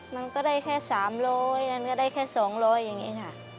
มันก็ได้แค่สามโลยมันก็ได้แค่สองโลยอย่างนี้ค่ะ